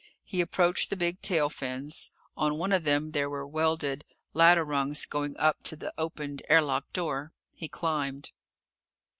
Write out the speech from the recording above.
He approached the big tail fins. On one of them there were welded ladder rungs going up to the opened air lock door. He climbed.